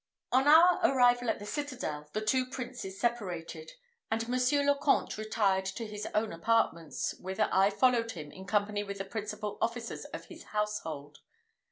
On our arrival at the citadel, the two princes separated; and Monsieur le Comte retired to his own apartments, whither I followed him in company with the principal officers of his household.